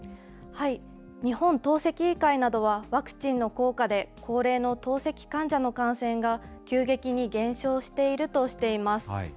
日本透析医会などは、ワクチンの効果で高齢の透析患者の感染が急激に減少しているとしています。